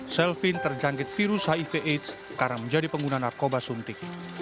selvin terjangkit virus hiv aids karena menjadi pengguna narkoba suntik